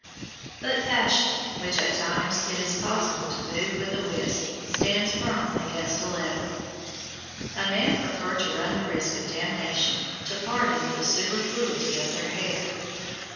But fashion, which at times it is possible to move with a wisp, stands firm against a lever; and men preferred to run the risk of damnation to parting with the superfluity of their hair.